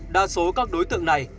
đa số các đối tượng này